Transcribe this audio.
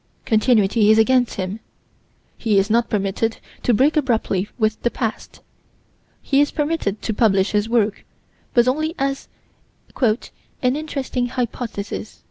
Continuity is against him. He is not permitted to break abruptly with the past. He is permitted to publish his work, but only as "an interesting hypothesis."